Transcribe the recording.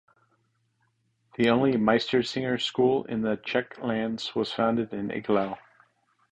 The only Meistersinger school in the Czech lands was founded in Iglau.